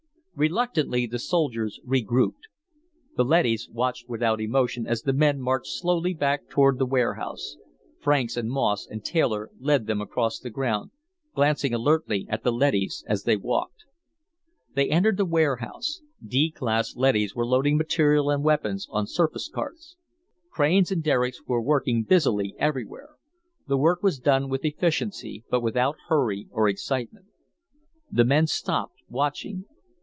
Reluctantly, the soldiers regrouped. The leadys watched without emotion as the men marched slowly back toward the warehouse. Franks and Moss and Taylor led them across the ground, glancing alertly at the leadys as they walked. They entered the warehouse. D class leadys were loading material and weapons on surface carts. Cranes and derricks were working busily everywhere. The work was done with efficiency, but without hurry or excitement. The men stopped, watching.